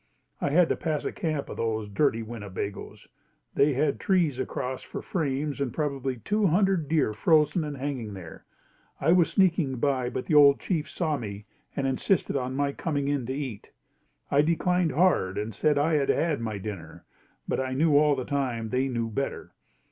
I had to pass a camp of those dirty Winnebagoes. They had trees across for frames and probably two hundred deer frozen and hanging there. I was sneaking by, but the old chief saw me and insisted on my coming in to eat. I declined hard, saying I had had my dinner, but I knew all the time they knew better.